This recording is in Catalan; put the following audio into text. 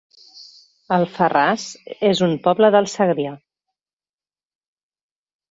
Alfarràs es un poble del Segrià